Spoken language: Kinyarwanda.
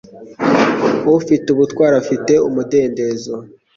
Ufite ubutwari afite umudendezo.